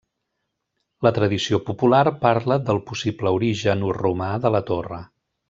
La tradició popular parla del possible origen romà de la torre.